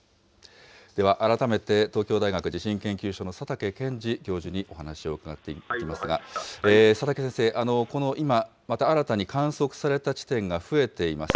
では改めて東京大学地震研究所の佐竹健治教授にお話を伺っていきますが、佐竹先生、この、今、新たに観測された地点が増えています。